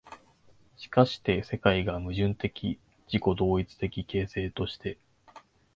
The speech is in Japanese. しかして世界が矛盾的自己同一的形成として、